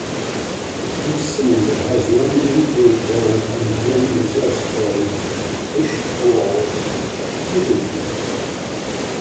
Each cylinder has one intake valve and one exhaust valve, pushrod-activated.